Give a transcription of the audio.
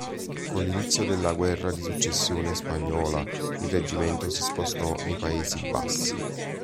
Con l'inizio della guerra di successione spagnola il reggimento si spostò nei Paesi Bassi.